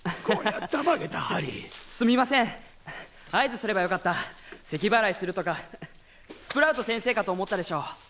こりゃたまげたハリーすみません合図すればよかったせきばらいするとかスプラウト先生かと思ったでしょ？